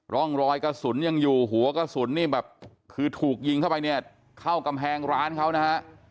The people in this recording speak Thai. ร่องรอยกระสุนยังอยู่หัวกระสุนนี่แบบคือถูกยิงเข้าไปเนี่ยเข้ากำแพงร้านเขานะฮะ